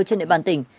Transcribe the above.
trên địa bàn tỉnh